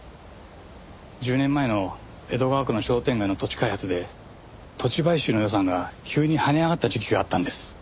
１０年前の江戸川区の商店街の土地開発で土地買収の予算が急に跳ね上がった時期があったんです。